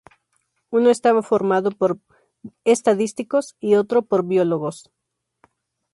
Uno estaba formado por estadísticos y otro por biólogos.